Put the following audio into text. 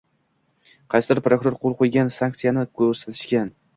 Qaysidir prokuror qo‘l qo‘ygan sanksiyani ko‘rsatishgan.